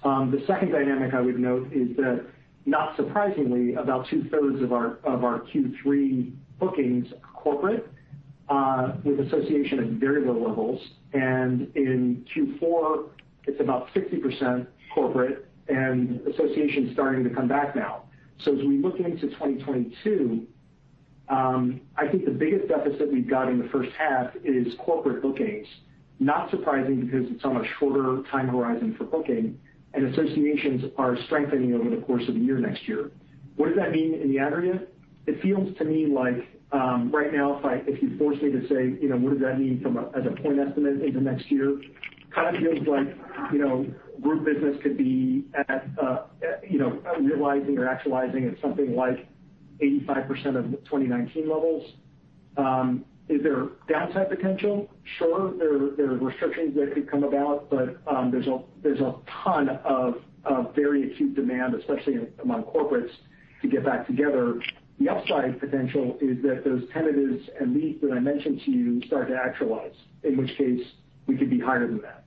C: The second dynamic I would note is that, not surprisingly, about two-thirds of our Q3 bookings are corporate, with association at very low levels. In Q4, it's about 60% corporate and association is starting to come back now. As we look into 2022, I think the biggest deficit we've got in the first half is corporate bookings. Not surprising, because it's on a shorter time horizon for booking, and associations are strengthening over the course of the year next year. What does that mean in the aggregate? It feels to me like right now, if you force me to say what does that mean as a point estimate into next year, kind of feels like group business could be at realizing or actualizing at something like 85% of 2019 levels. Is there downside potential? Sure. There are restrictions that could come about, but there's a ton of very acute demand, especially among corporates, to get back together. The upside potential is that those tentatives and leads that I mentioned to you start to actualize, in which case we could be higher than that.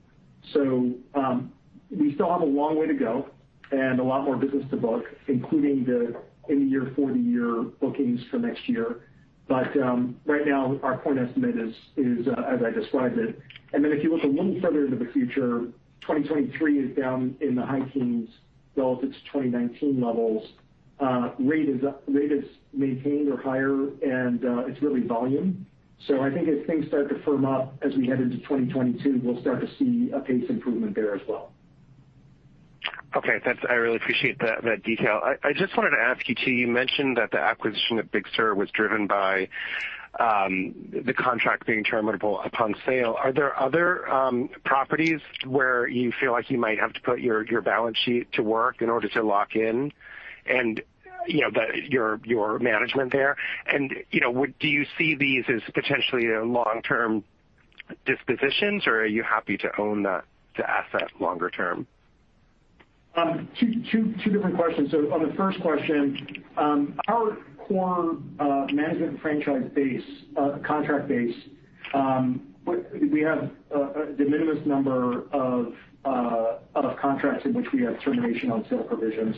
C: We still have a long way to go and a lot more business to book, including the any year/for the year bookings for next year. Right now, our point estimate is as I described it. If you look a little further into the future, 2023 is down in the high teens relative to 2019 levels. Rate is maintained or higher, and it's really volume. I think as things start to firm up as we head into 2022, we'll start to see a pace improvement there as well.
H: Okay. I really appreciate that detail. I just wanted to ask you, too, you mentioned that the acquisition of Big Sur was driven by the contract being terminable upon sale. Are there other properties where you feel like you might have to put your balance sheet to work in order to lock in and your management there? Do you see these as potentially long-term dispositions, or are you happy to own the asset longer term?
C: Two different questions. On the first question, our core management franchise base, contract base, we have de minimis number of contracts in which we have termination on sale provisions.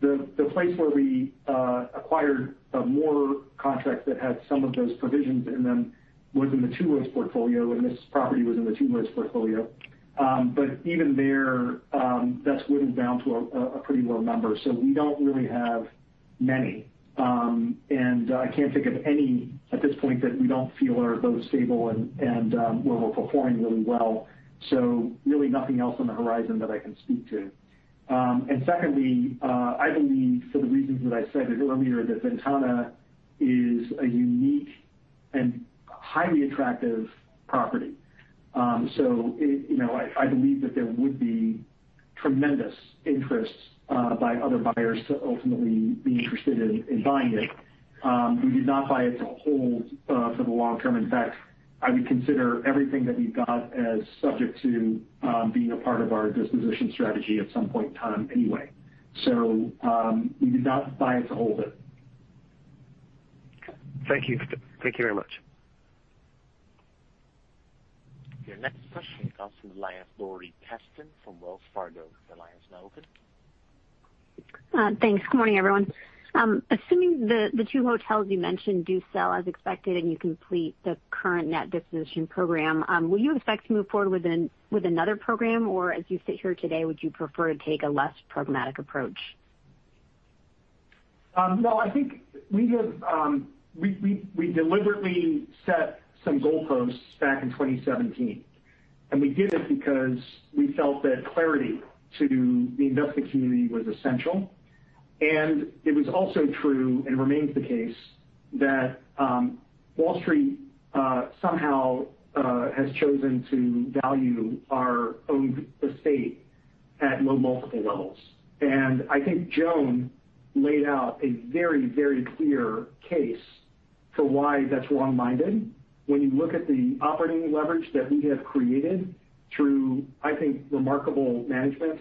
C: The place where we acquired more contracts that had some of those provisions in them was in the Two Roads portfolio, and this property was in the Two Roads portfolio. Even there, that's whittled down to a pretty low number. We don't really have many. I can't think of any at this point that we don't feel are both stable and where we're performing really well. Really nothing else on the horizon that I can speak to. Secondly, I believe for the reasons that I said earlier, that Ventana is a unique and highly attractive property. I believe that there would be tremendous interest by other buyers to ultimately be interested in buying it. We did not buy it to hold for the long term. In fact, I would consider everything that we've got as subject to being a part of our disposition strategy at some point in time anyway. We did not buy it to hold it.
H: Okay. Thank you. Thank you very much.
A: Your next question comes from the line of Dori Kesten from Wells Fargo. The line is now open.
I: Thanks. Good morning, everyone. Assuming the two hotels you mentioned do sell as expected and you complete the current net disposition program, will you expect to move forward with another program, or as you sit here today, would you prefer to take a less programmatic approach?
C: No. I think we deliberately set some goalposts back in 2017, and we did it because we felt that clarity to the investing community was essential, and it was also true, and remains the case, that Wall Street somehow has chosen to value our owned estate at low multiple levels. I think Joan laid out a very, very clear case for why that's wrong-minded. When you look at the operating leverage that we have created through, I think, remarkable management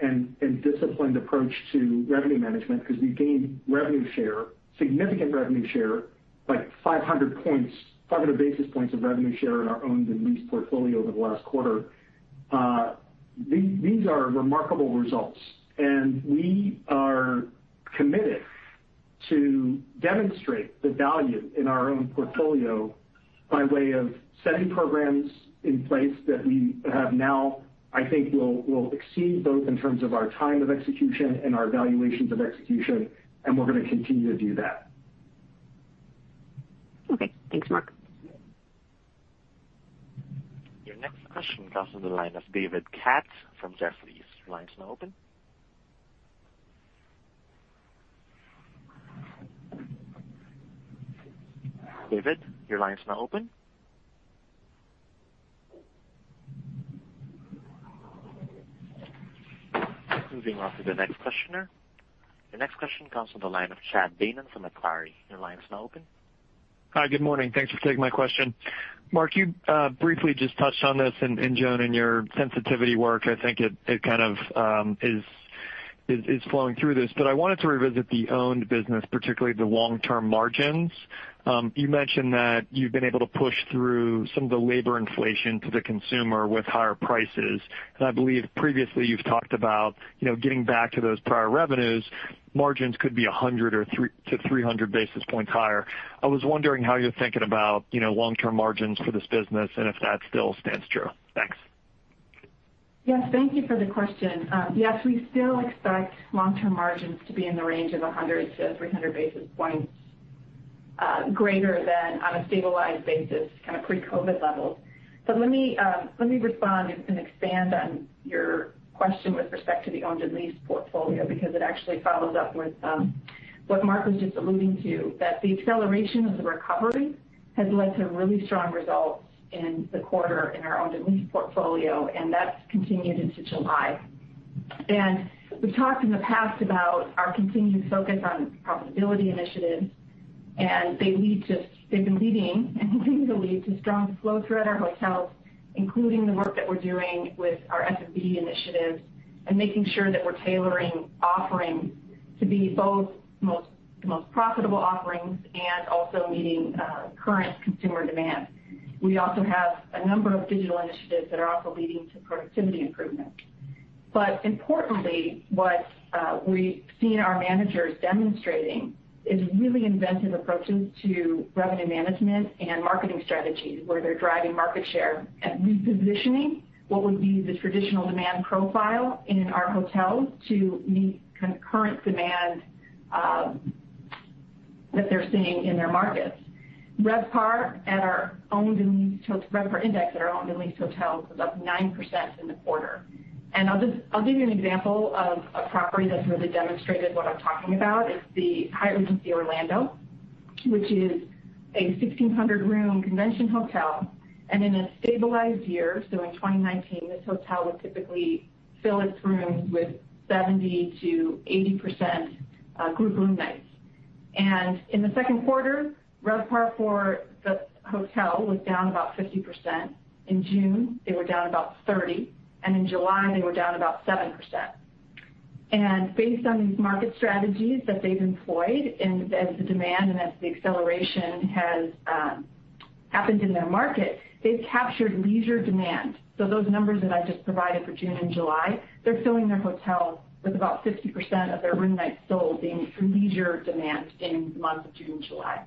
C: and disciplined approach to revenue management because we gained revenue share, significant revenue share, like 500 basis points of revenue share in our owned and leased portfolio over the last quarter. These are remarkable results, and we are committed to demonstrate the value in our own portfolio by way of setting programs in place that we have now, I think will exceed both in terms of our time of execution and our evaluations of execution, and we're going to continue to do that.
I: Okay. Thanks, Mark.
A: Your next question comes from the line of David Katz from Jefferies. Your line is now open. David, your line is now open. Moving on to the next questioner. The next question comes from the line of Chad Beynon from Macquarie. Your line is now open.
J: Hi, good morning. Thanks for taking my question. Mark, you briefly just touched on this, and Joan, in your sensitivity work, I think it kind of is flowing through this, but I wanted to revisit the owned business, particularly the long-term margins. You mentioned that you've been able to push through some of the labor inflation to the consumer with higher prices. I believe previously you've talked about getting back to those prior revenues, margins could be 100 basis points or to 300 basis points higher. I was wondering how you're thinking about long-term margins for this business, and if that still stands true. Thanks
D: Yes. Thank you for the question. Yes, we still expect long-term margins to be in the range of 100 basis point-300 basis points greater than on a stabilized basis, kind of pre-COVID levels. Let me respond and expand on your question with respect to the owned and leased portfolio, because it actually follows up with what Mark was just alluding to, that the acceleration of the recovery has led to really strong results in the quarter in our owned and leased portfolio, and that's continued into July. We've talked in the past about our continued focus on profitability initiatives, and they've been leading and continue to lead to strong flow through at our hotels, including the work that we're doing with our F&B initiatives and making sure that we're tailoring offerings to be both the most profitable offerings and also meeting current consumer demand. We also have a number of digital initiatives that are also leading to productivity improvement. Importantly, what we've seen our managers demonstrating is really inventive approaches to revenue management and marketing strategies, where they're driving market share and repositioning what would be the traditional demand profile in our hotels to meet current demand that they're seeing in their markets. RevPAR index at our owned and leased hotels was up 9% in the quarter. I'll give you an example of a property that's really demonstrated what I'm talking about. It's the Hyatt Regency Orlando, which is a 1,600 room convention hotel, and in a stabilized year, so in 2019, this hotel would typically fill its rooms with 70%-80% group room nights. In the second quarter, RevPAR for the hotel was down about 50%. In June, they were down about 30%, and in July, they were down about 7%. Based on these market strategies that they've employed, and as the demand and as the acceleration has happened in their market, they've captured leisure demand. Those numbers that I just provided for June and July, they're filling their hotel with about 50% of their room nights sold being from leisure demand in the months of June and July.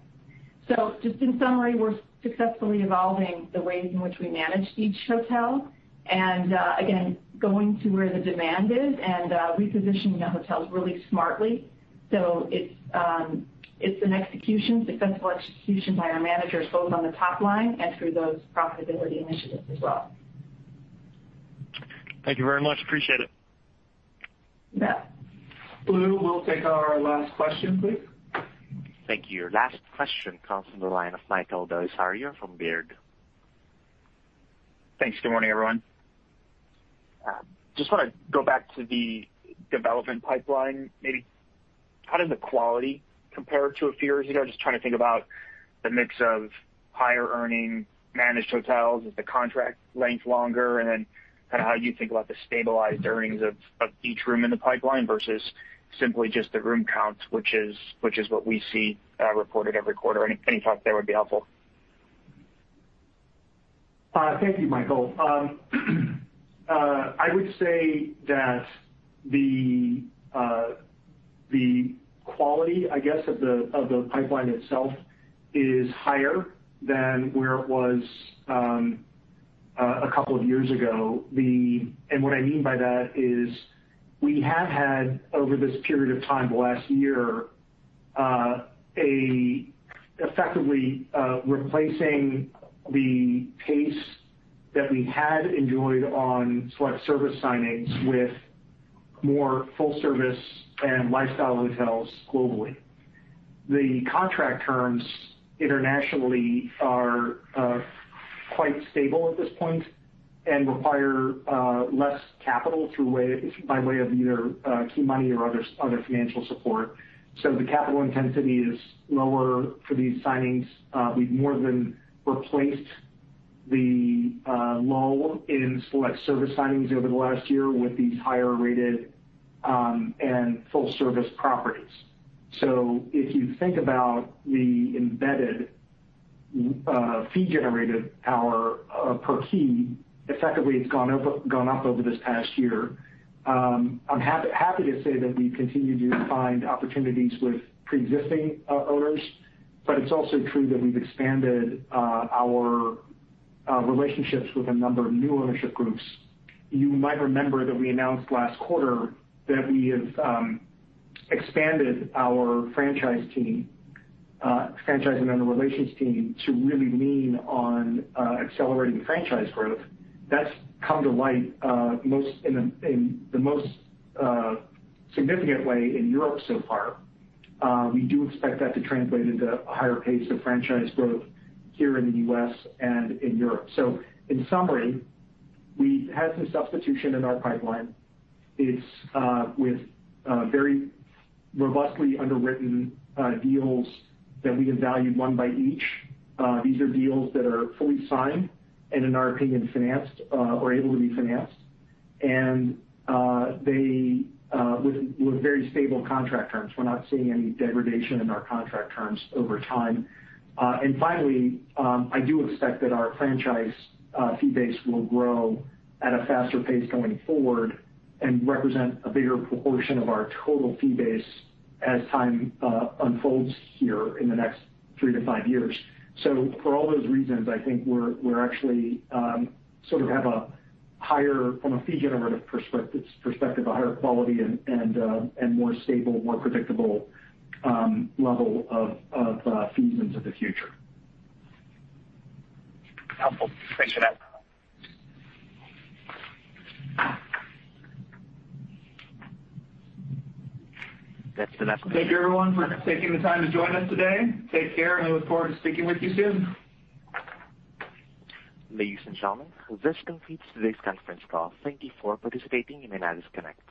D: Just in summary, we're successfully evolving the ways in which we manage each hotel, and again, going to where the demand is and repositioning the hotels really smartly. It's an execution, successful execution by our managers both on the top line and through those profitability initiatives as well.
J: Thank you very much. Appreciate it.
D: Yeah.
C: Blue, we'll take our last question, please.
A: Thank you. Last question comes from the line of Michael Bellisario from Baird.
K: Thanks. Good morning, everyone. Just want to go back to the development pipeline. Maybe how does the quality compare to a few years ago? Just trying to think about the mix of higher earning managed hotels, is the contract length longer, and then how you think about the stabilized earnings of each room in the pipeline versus simply just the room count, which is what we see reported every quarter. Any thoughts there would be helpful.
C: Thank you, Michael. I would say that the quality, I guess, of the pipeline itself is higher than where it was a couple of years ago. what I mean by that is we have had over this period of time the last year, effectively replacing the pace that we had enjoyed on select service signings with more full service and lifestyle hotels globally. The contract terms internationally are quite stable at this point and require less capital by way of either key money or other financial support. the capital intensity is lower for these signings. We've more than replaced the lull in select service signings over the last year with these higher-rated and full-service properties. if you think about the embedded fee-generated power per key, effectively, it's gone up over this past year. I'm happy to say that we continue to find opportunities with preexisting owners, but it's also true that we've expanded our relationships with a number of new ownership groups. You might remember that we announced last quarter that we have expanded our franchising and relations team to really lean on accelerating franchise growth. That's come to light in the most significant way in Europe so far. We do expect that to translate into a higher pace of franchise growth here in the U.S. and in Europe. In summary, we had some substitution in our pipeline. It's with very robustly underwritten deals that we have valued one by each. These are deals that are fully signed and in our opinion, financed or able to be financed, and with very stable contract terms. We're not seeing any degradation in our contract terms over time. Finally, I do expect that our franchise fee base will grow at a faster pace going forward and represent a bigger proportion of our total fee base as time unfolds here in the next three to five years. For all those reasons, I think we actually sort of have, from a fee generative perspective, a higher quality and more stable, more predictable level of fees into the future.
K: Helpful. Thanks for that.
A: That's the last question.
C: Thank you everyone for taking the time to join us today. Take care, and I look forward to speaking with you soon.
A: Ladies and gentlemen, this completes today's conference call. Thank you for participating. You may now disconnect.